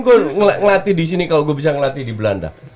gue ngelatih disini kalau gue bisa ngelatih di belanda